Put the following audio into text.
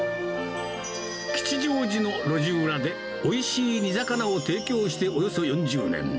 吉祥寺の路地裏で、おいしい煮魚を提供しておよそ４０年。